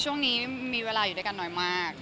ช่วงนี้มีเวลาอยู่ด้วยกันน้อยมาก